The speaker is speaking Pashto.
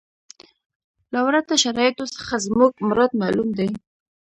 له ورته شرایطو څخه زموږ مراد معلوم دی.